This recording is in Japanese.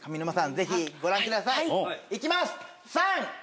ぜひご覧ください。